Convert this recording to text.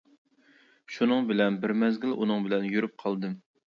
شۇنىڭ بىلەن بىر مەزگىل ئۇنىڭ بىلەن يۈرۈپ قالدىم.